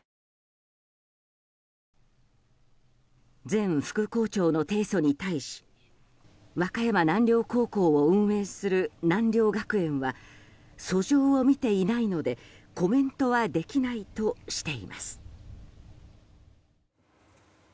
前副校長の提訴に対し和歌山南陵高校を運営する南陵学園は訴状を見ていないのでコメントはできないとしています。